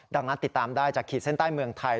ดังนั้นติดตามได้จากขีดเส้นใต้เมืองไทย